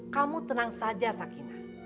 kamu tenang saja sakina